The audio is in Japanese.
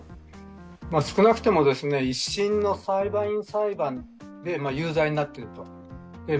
少なくても、１審の裁判員裁判で有罪になっているんです。